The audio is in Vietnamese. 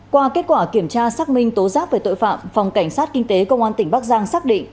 qua kết quả kiểm tra xác minh tố giác về tội phạm phòng cảnh sát kinh tế công an tỉnh bắc giang xác định